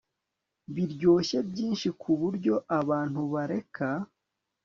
biryoshye byinshi ku buryo abantu bareka